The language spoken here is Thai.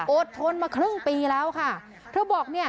ทนมาครึ่งปีแล้วค่ะเธอบอกเนี่ย